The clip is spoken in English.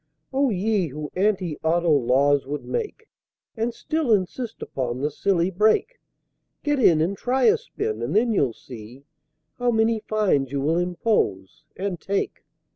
Oh ye who anti auto laws would make And still insist upon the silly brake, Get in, and try a spin, and then you'll see How many fines you will impose and take!